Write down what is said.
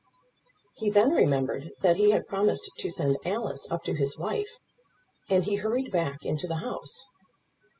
He then remembered that he had promised to send Alice up to his wife, and he hurried back into the house.